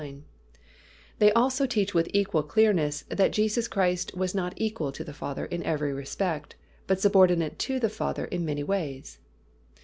9), they also teach with equal clearness that Jesus Christ was not equal to the Father in every respect, but subordinate to the Father in many ways.